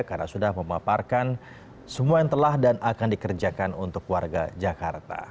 karena sudah memaparkan semua yang telah dan akan dikerjakan untuk warga jakarta